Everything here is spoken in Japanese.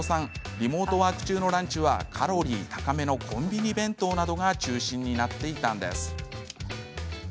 リモートワーク中のランチはカロリー高めのコンビニ弁当などが中心になっていたんです。